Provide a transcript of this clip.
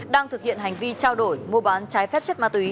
đang thực hiện hành vi trao đổi mua bán trái phép chất ma túy